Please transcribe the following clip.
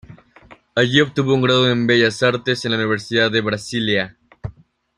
Allí obtuvo un grado en bellas artes en la Universidad de Brasilia.